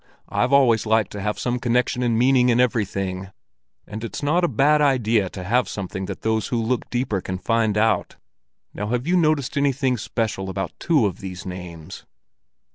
I've always liked to have some connection and meaning in everything; and it's not a bad idea to have something that those who look deeper can find out. Now, have you noticed anything special about two of these names?"